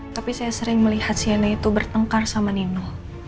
tapi saya sering melihat siana itu bertengkar sama nino